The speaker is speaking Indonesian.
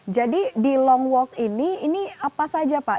jadi di long walk ini ini apa saja pak